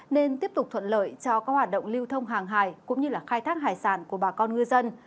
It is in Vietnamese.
nên tiếp tục thuận lợi cho các hoạt động lưu thông hàng hài cũng như khai thác hải sản của bà con ngư dân